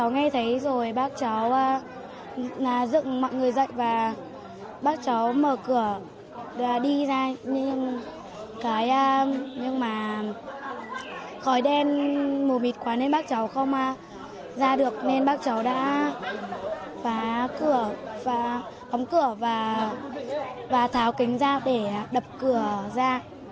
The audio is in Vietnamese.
nhưng mà khói đen mù mịt quá nên bác cháu không ra được nên bác cháu đã phá cửa và tháo kính ra để đập cửa ra